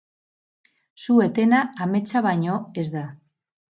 Su-etena ametsa baino ez da.